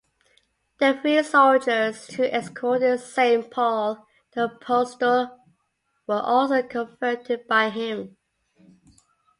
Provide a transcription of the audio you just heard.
The three soldiers who escorted Saint Paul the Apostle were also converted by him.